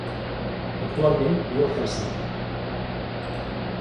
Actualment viu a Hèlsinki.